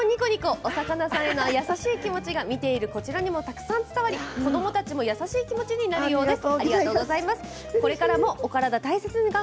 さかなクンは、いつもとてもにこにこお魚さんへの優しい気持ちが見ているこちらにもたくさん伝わり子どもたちも優しい気持ちになるようです。